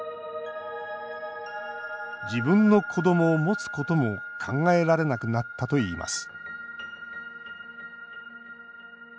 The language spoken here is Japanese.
自分の子どもを持つことも考えられなくなったといいます